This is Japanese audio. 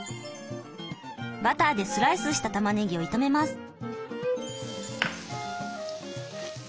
バターでスライスしたたまねぎを炒めます。